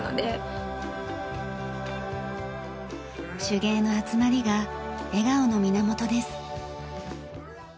手芸の集まりが笑顔の源です。